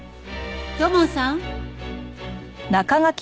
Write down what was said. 土門さん。